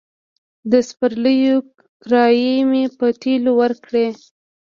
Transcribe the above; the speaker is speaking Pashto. د سپرليو کرايې مې په تيلو ورکړې.